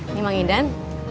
ini mang idan